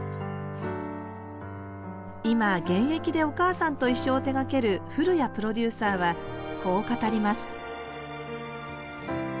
今現役で「おかあさんといっしょ」を手がける古屋プロデューサーはこう語ります